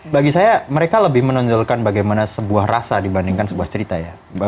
bagi saya mereka lebih menonjolkan bagaimana sebuah rasa dibandingkan sebuah cerita ya